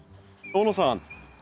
小野さん